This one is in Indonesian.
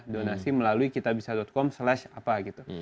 donasi melalui kitabisa com slash apa gitu